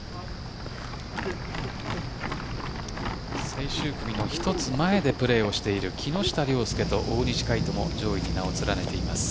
最終組の一つ前でプレーをしている木下稜介と大西魁斗も上位に名を連ねています。